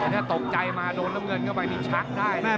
ถ้าตกใจมาโดนน้ำเงินเข้าไปนี่ชักได้นะ